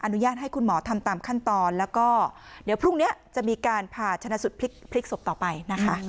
อนุญาตให้คุณหมอทำตามขั้นตอนแล้วก็เดี๋ยวพรุ่งนี้จะมีการผ่าชนะสุดพลิกศพต่อไปนะคะ